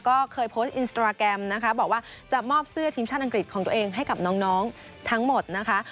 ก็เคยโพสต์อินสตราแกรมนะคะบอกว่าจะมอบเสื้อทีมชาติอังกฤษของตัวเองให้กับน้องทั้งหมดนะคะ